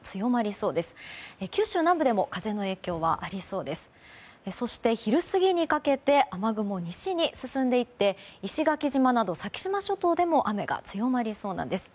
そして、昼過ぎにかけて雨雲西に進んでいって石垣島など、先島諸島でも雨が強まりそうなんです。